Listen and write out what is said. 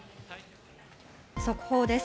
速報です。